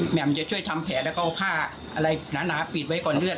มจะช่วยทำแผลแล้วก็เอาผ้าอะไรหนาปิดไว้ก่อนเลือด